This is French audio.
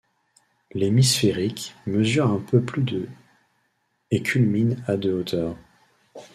L’Hemisfèric mesure un peu plus de et culmine à de hauteur.